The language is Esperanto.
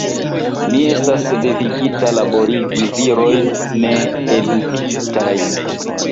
Mi estas devigita laborigi virojn needukitajn.